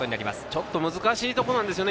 ちょっと難しいところなんですよね。